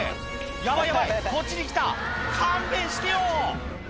「ヤバいヤバいこっちに来た勘弁してよ！」